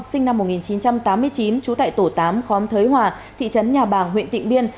sinh năm một nghìn chín trăm tám mươi chín trú tại tổ tám khóm thới hòa thị trấn nhà bàng huyện tịnh biên